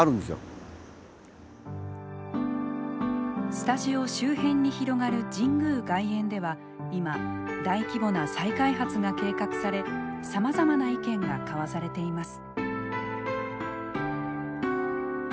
スタジオ周辺に広がる神宮外苑では今大規模な再開発が計画されさまざまな意見が交わされています。